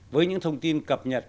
với những thông tin cập nhật